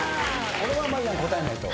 これはまいやん答えないと。